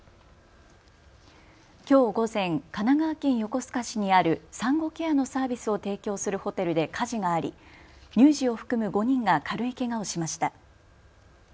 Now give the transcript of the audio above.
きょう午前、神奈川県横須賀市にある産後ケアのサービスを提供するホテルで火事があり乳児を含む５人が軽いけがをしました。